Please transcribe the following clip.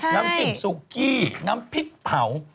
น้ำจิ้มซุกี้น้ำพริกเผา